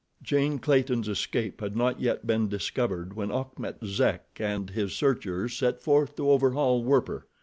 Jane Clayton's escape had not yet been discovered when Achmet Zek and his searchers set forth to overhaul Werper.